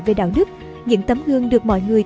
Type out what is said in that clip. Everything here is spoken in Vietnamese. về đạo đức những tấm hương được mọi người